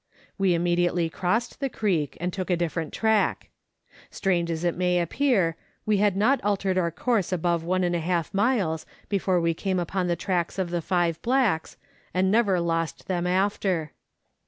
We immediately crossed the creek, and took a different track. Strange as it may appear, we had not altered Letters from Victorian Pioneers. 91 our course above one and a half miles before we came upon the tracks of the five blacks, and never lost them after.